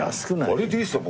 これでいいですよ